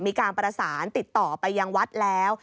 มีการประสานติดต่อไปยังวัดแล้ว